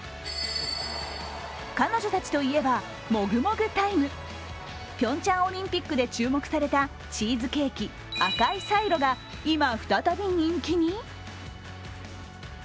彼女たちといえば、もぐもぐタイムピョンチャンオリンピックで注目されたチーズケーキ、赤いサイロが今、再び人気に。